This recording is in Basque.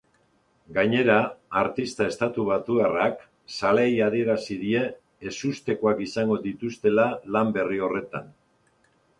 Gainera, artista estatubatuarrak zaleei adierazi die ezustekoak izango dituztela lan berri horretan.